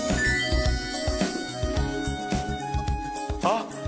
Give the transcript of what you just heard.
あっ！